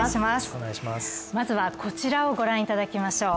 まずはこちらをご覧いただきましょう。